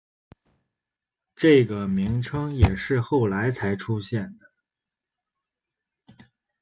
这个名称也是后来才出现的。